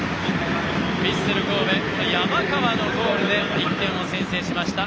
ヴィッセル神戸、山川のゴールで１点を先制しました。